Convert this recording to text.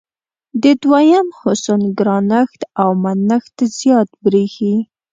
د دویم حسن ګرانښت او منښت زیات برېښي.